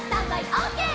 オーケー！」